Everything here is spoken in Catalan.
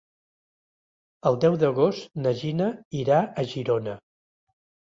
El deu d'agost na Gina irà a Girona.